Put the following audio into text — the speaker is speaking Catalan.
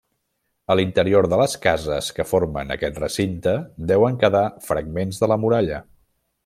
A l'interior de les cases que formen aquest recinte deuen quedar fragments de la muralla.